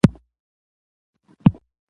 احمدشاه بابا د افغان تاریخ اتل دی.